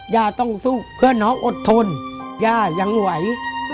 ย่าต้องสู้เพื่อน้องอดทนย่ายังไหว